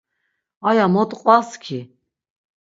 Aya mot qvas ki?